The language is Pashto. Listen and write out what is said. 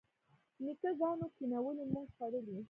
نیکه ګانو کینولي موږ خوړلي.